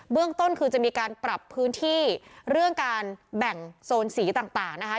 เรื่องต้นคือจะมีการปรับพื้นที่เรื่องการแบ่งโซนสีต่างนะคะ